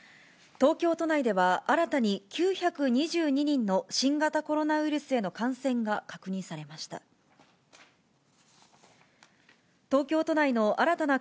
東京都内では、新たに９２２人の新型コロナウイルスへの感染が確認されました。